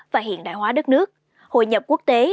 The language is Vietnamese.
và hiện đại hóa đất nước hội nhập quốc tế